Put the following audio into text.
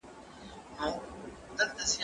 زه به سبا کتابتون ته ځم!!